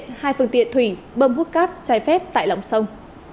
hai phương tiện thủy bơm hút cát trái phép tại lòng sông